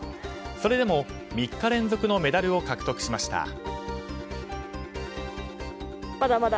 それでも３日連続のメダルを獲得しました。